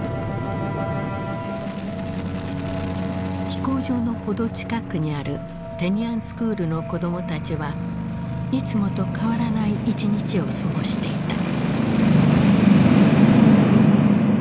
飛行場の程近くにあるテニアンスクールの子供たちはいつもと変わらない一日を過ごしていた。